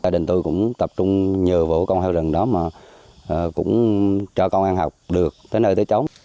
đình tôi cũng tập trung nhờ vụ con heo rừng đó mà cũng cho con ăn học được tới nơi tới chống